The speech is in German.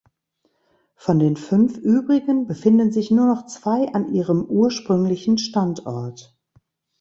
Von den fünf übrigen befinden sich nur noch zwei an ihrem ursprünglichen Standort.